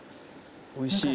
おいしい。